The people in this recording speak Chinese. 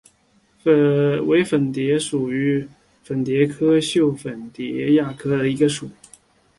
伪粉蝶属是粉蝶科袖粉蝶亚科里的一个属。